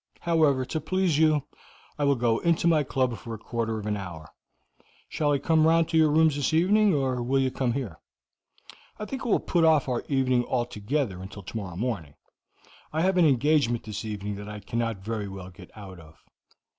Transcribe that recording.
However, to please you, I will go into my club for a quarter of an hour. Shall I come round to your rooms this evening, or will you come here?" "I think I will put off our meeting altogether until tomorrow morning. I have an engagement this evening that I cannot very well get out of."